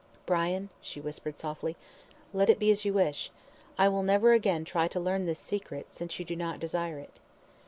"Brian," she whispered softly, "let it be as you wish. I will never again try to learn this secret, since you do not desire it."